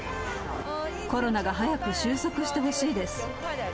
コロナが早く終息してほしいです。